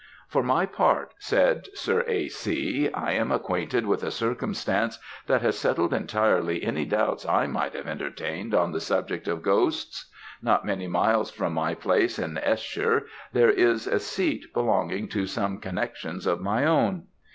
"For my part," said Sir A. C., "I am acquainted with a circumstance that has settled entirely any doubts I might have entertained on the subject of ghosts. Not many miles from my place in S shire, there is a seat belonging to some connexions of my own.